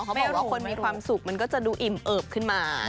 เพราะว่าคนมีความสุขมันก็จะดูอิ่มเอิบขึ้นมา